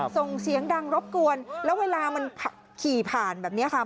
ส่งเสียงดังรบกวนแล้วเวลามันขี่ผ่านแบบนี้ค่ะ